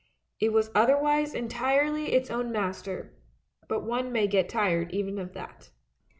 It was otherwise entirely its own master, but one may get tired even of that.